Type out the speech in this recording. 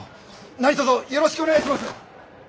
何とぞよろしくお願いします！